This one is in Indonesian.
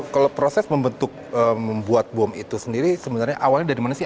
kalau proses membentuk membuat bom itu sendiri sebenarnya awalnya dari mana sih